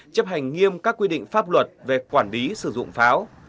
chấp hành nghiêm các quy định pháp luật về quản lý sử dụng pháo